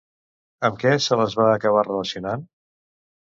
Amb què se les va acabar relacionant?